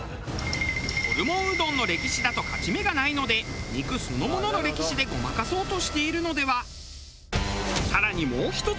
ホルモンうどんの歴史だと勝ち目がないので肉そのものの歴史でごまかそうとしているのでは？